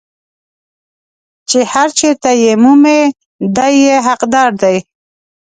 چې هر چېرته یې مومي دی یې حقدار دی.